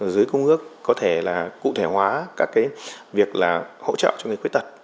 dưới công ước có thể cụ thể hóa các việc hỗ trợ cho người khuyết tật